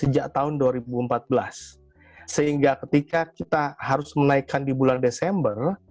jika kita harus menaikkan di bulan desember